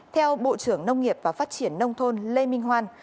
theo bộ trưởng nông nghiệp và phát triển nông thôn lê minh hoan